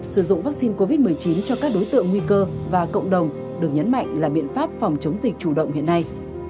sử dụng vaccine covid một mươi chín cho các đối tượng nguy cơ và cộng đồng được nhấn mạnh là biện pháp phòng chống dịch chủ động hiện nay